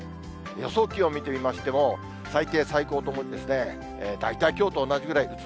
予想気温見てみましても、最低、最高ともに大体きょうと同じぐらい。